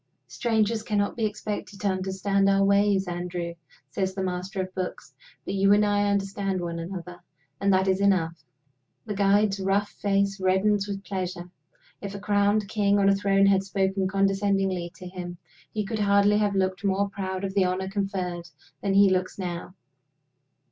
"Strangers cannot be expected to understand our ways, Andrew," says The Master of Books. "But you and I understand one another and that is enough." The guide's rough face reddens with pleasure. If a crowned king on a throne had spoken condescendingly to him, he could hardly have looked more proud of the honor conferred than he looks now.